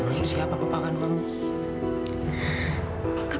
emang siapa bapak kandung kamu